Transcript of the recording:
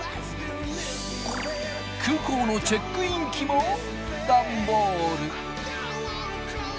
空港のチェックイン機もダンボール。